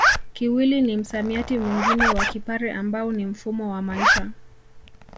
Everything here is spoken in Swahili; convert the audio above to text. Kiwili ni msamiati mwingine wa Kipare ambao ni mfumo wa maisha